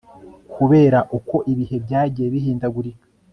kubera uko ibihe byagiye bihindagurika